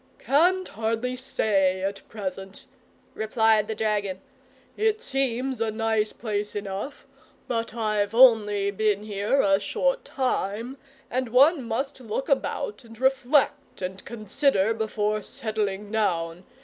"Can't hardly say at present," replied the dragon. "It seems a nice place enough but I've only been here a short time, and one must look about and reflect and consider before settling down.